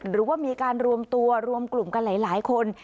หรือว่ามีการรวมตัวรวมกลุ่มกันหลายคน